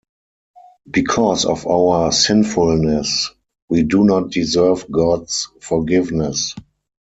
Because of our sinfulness, we do not deserve God's forgiveness.